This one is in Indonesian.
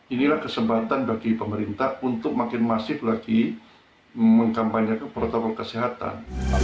inilah kesempatan bagi pemerintah untuk makin masif lagi mengkampanyekan protokol kesehatan